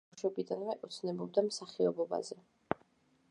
მორაი ბავშვობიდანვე ოცნებობდა მსახიობობაზე.